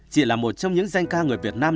chị là một trong những danh ca người việt nam